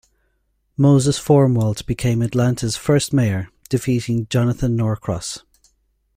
Moses Formwalt became Atlanta's first mayor, defeating Jonathan Norcross.